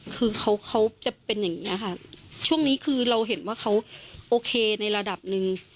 คือเขาเขาจะเป็นอย่างนี้ค่ะช่วงนี้คือเราเห็นว่าเขาโอเคในระดับหนึ่ง